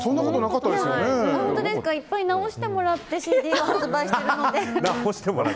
いっぱい直してもらってＣＤ発売してるので。